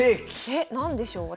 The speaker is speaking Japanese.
えっ何でしょう。